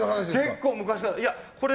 結構昔から。